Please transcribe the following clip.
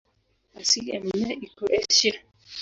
Asili ya mimea iko Asia.